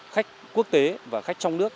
khách quốc tế và khách trong nước